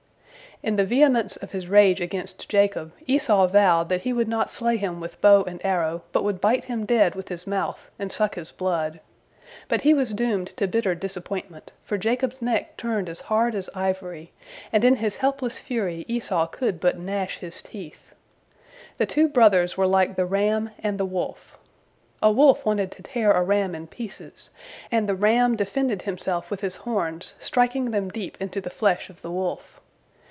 In the vehemence of his rage against Jacob, Esau vowed that he would not slay him with bow and arrow, but would bite him dead with his mouth, and suck his blood. But he was doomed to bitter disappointment, for Jacob's neck turned as hard as ivory, and in his helpless fury Esau could but gnash his teeth. The two brothers were like the ram and the wolf. A wolf wanted to tear a ram in pieces, and the ram defended himself with his horns, striking them deep into the flesh of the wolf.